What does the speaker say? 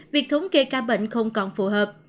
việc thống kê ca bệnh không còn phù hợp